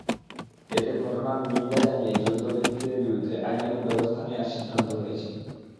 এতে ঘটনার নিন্দা জানিয়ে জড়িত ব্যক্তিদের বিরুদ্ধে আইনানুগ ব্যবস্থা নেওয়ার সিদ্ধান্ত হয়েছে।